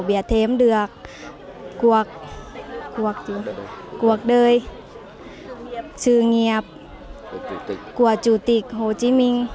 biết thêm được cuộc đời sự nghiệp của chủ tịch hồ chí minh